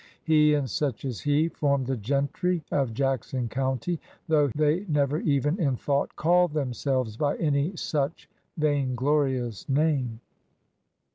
He, and such as he, formed the gentry of Jackson County, though they never even in thought called themselves by any such vainglorious name.